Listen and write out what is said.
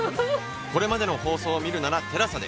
これまでの放送を見るなら ＴＥＬＡＳＡ で